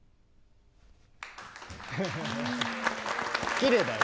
きれいだよね